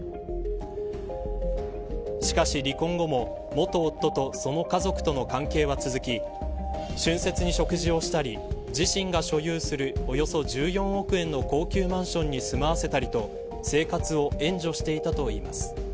しかし離婚後も元夫とその家族との関係は続き春節に食事をしたり自身が所有するおよそ１４億円の高級マンションに住まわせたりと生活を援助していたといいます。